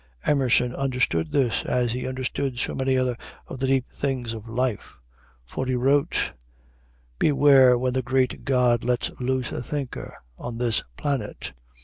Emerson understood this, as he understood so many other of the deep things of life. For he wrote: "Beware when the great God lets loose a thinker on this planet.